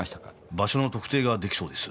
場所の特定ができそうです。